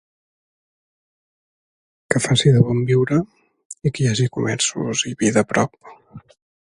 Que faci de bon viure i que hi hagi comerços i vida a prop.